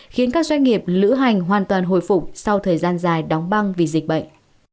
khiến các doanh nghiệp lữ hành hoàn toàn hồi phục sau thời gian dài đóng băng vì dịch bệnh